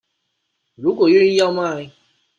如果願意要賣